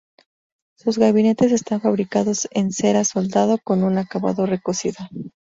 Sus gabinetes están fabricados en cera soldado, con un acabado recocido.